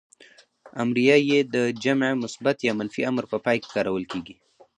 امریه ئ د جمع مثبت يا منفي امر په پای کې کارول کیږي.